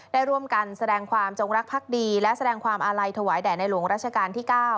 ได้ร่วมกันแสดงความจงรักภักดีและแสดงความอาลัยถวายแด่ในหลวงราชการที่๙